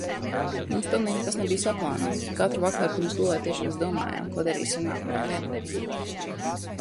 Mums pilnīgi nekas nebija saplānots. Katru vakaru pirms gulētiešanas domājām, ko darīsim nākamajā dienā.